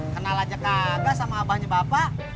kenal aja kaga sama abahnya bapak